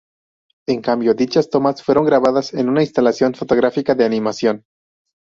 En cambio, dichas tomas fueron grabadas en una instalación fotográfica de animación.